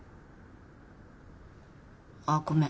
あっごめん。